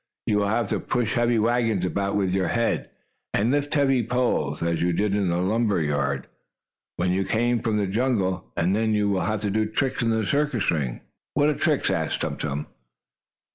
"You will have to push heavy wagons about with your head, and lift heavy poles, as you did in the lumber yard when you came from the jungle. And then you will have to do tricks in the circus ring." "What are tricks?" asked Tum Tum.